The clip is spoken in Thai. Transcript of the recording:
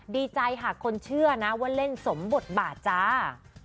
ดีใจหากคนเชื่อนะว่าเล่นสมบทบาทจ้า